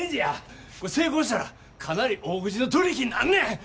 成功したらかなり大口の取り引きになんねん。